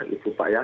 itu pak ya